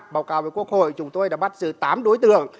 báo cáo với quốc hội chúng tôi đã bắt giữ tám đối tượng